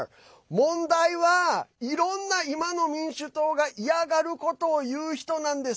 問題は、いろんな今の民主党が嫌がることを言う人なんです。